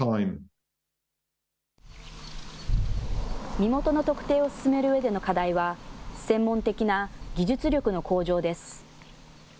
身元の特定を進めるうえでの課題は、専門的な技術力の向上です。